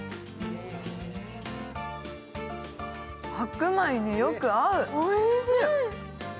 白米によく合う。